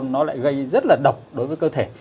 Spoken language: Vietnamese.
nó lại gây rất là độc đối với cơ thể